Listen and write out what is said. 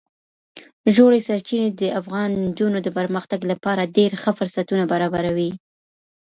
ژورې سرچینې د افغان نجونو د پرمختګ لپاره ډېر ښه فرصتونه برابروي.